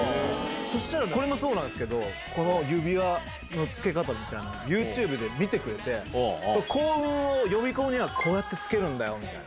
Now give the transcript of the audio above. そしたらこれもそうなんですけど、この指輪のつけ方みたいなの、ユーチューブで見てくれて、幸運を呼び込むには、こうやってつけるんだよ、みたいな。